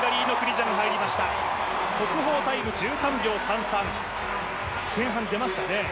速報タイム１３秒３３、前半出ましたね